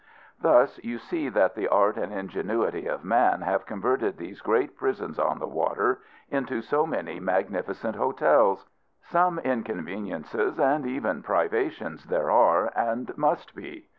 Thus you see that the art and ingenuity of man have converted these great prisons on the water into so many magnificent hotels. Some inconveniences and even privations there are, and must be.